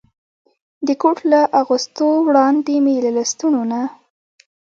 د کوټ له اغوستو وړاندې مې له لستوڼو نه.